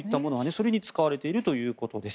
それに使われているということです。